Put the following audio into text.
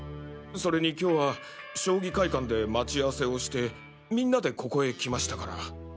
それに今日は将棋会館で待ち合わせをしてみんなでここへ来ましたから。